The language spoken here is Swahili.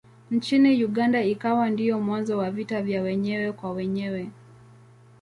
Nchini Uganda ikawa ndiyo mwanzo wa vita vya wenyewe kwa wenyewe.